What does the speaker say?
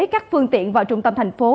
các phương tiện vào trung tâm thành phố